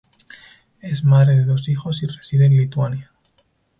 Es madre de dos hijos y reside en Lituania.